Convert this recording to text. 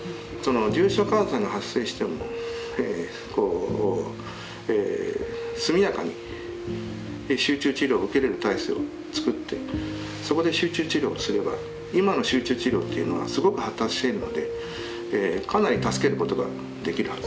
重症患者さんが発生しても速やかに集中治療を受けれる体制をつくってそこで集中治療をすれば今の集中治療というのはすごく発達しているのでかなり助けることができるはず。